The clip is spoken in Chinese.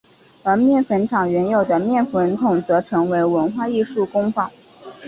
而面粉厂原有的面粉筒则成为文化艺术工坊。